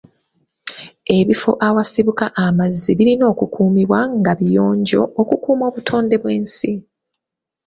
Ebifo awasibuka amazzi birina okukuumiwa nga biyonjo okukuuma obutonde bw'ensi.